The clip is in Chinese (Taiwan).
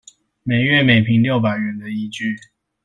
每月每坪六百元的依據